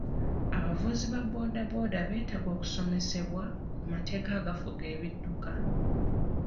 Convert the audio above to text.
Abavuzi ba booda booda beetaaga okusomesebwa ku mateeka agafuga ebidduka.